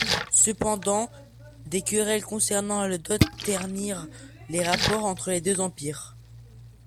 Cependant des querelles concernant la dot ternirent les rapports entre les deux empires.